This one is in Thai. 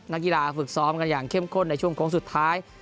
นักกีฬาฝึกซ้อมกันอย่างเข้มข้นในช่วงโค้งสุดท้าย